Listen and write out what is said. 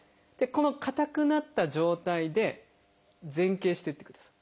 このかたくなった状態で前傾していってください。